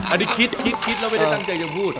อันนี้คิดเราไม่ได้ตั้งใจจะพูด